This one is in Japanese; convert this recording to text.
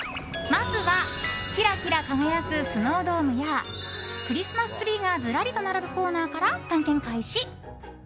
まずはキラキラ輝くスノードームやクリスマスツリーがずらりと並ぶコーナーから探検開始。